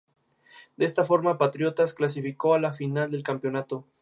De esta forma, Patriotas clasificó a la final del campeonato.